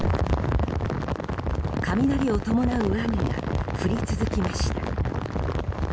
雷を伴う雨が降り続きました。